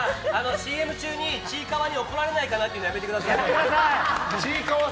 ＣＭ中に、「ちいかわ」に怒られないかなって言うのやめてください。